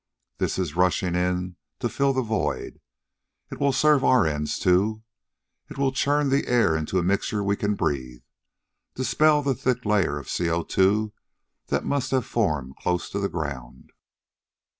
This is rushing in to fill the void. It will serve our ends, too. It will churn the air into a mixture we can breathe, dispel the thick layer of CO_2 that must have formed close to the ground."